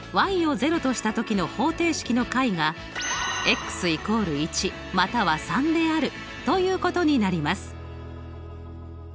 ０とした時の方程式の解が＝１または３であるということになります。